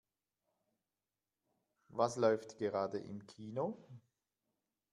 Was läuft gerade im Kino?